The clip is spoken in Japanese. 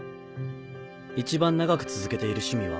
一番長く続けている趣味は？